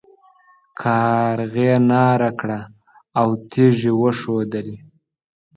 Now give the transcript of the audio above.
کارغې ناره کړه او تيږې وښوېدلې.